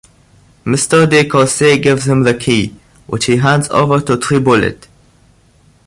Mr. de Cossé gives him the key, which he hands over to Triboulet.